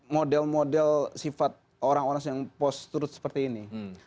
model model sifat orang orang yang post truth seperti ini